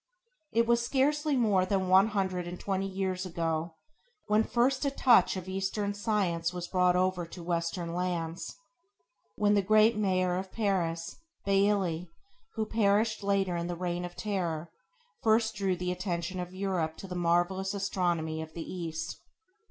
It was scarcely more than one hundred and twenty years ago when first a touch of eastern science was brought over to western lands, when the great Maire of Paris, Bailly, who perished later in the Reign of Terror first drew the attention of Europe to the marvelous astronomy of the East.